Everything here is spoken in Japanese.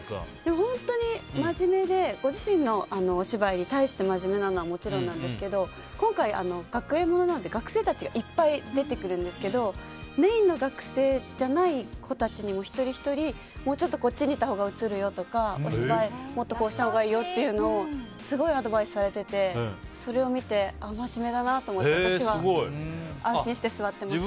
本当に真面目でご自身のお芝居に対して真面目なのはもちろんなんですけど今回は学生ものなので学生たちがいっぱい出てくるんですけどメインの学生じゃない子たちにも一人ひとり、こっちにいたほうが映るよとかもっとこうしたほうがいいよとかすごくアドバイスされててそれを見て真面目だなと思って私は安心して座っています。